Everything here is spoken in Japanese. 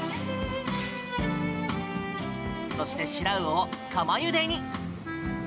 そして、シラウオを釜ゆでに。